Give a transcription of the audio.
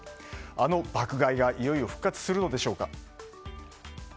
あの爆買いがいよいよ復活するのでしょうか。